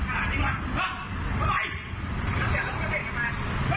ทำไมทำไมทำไม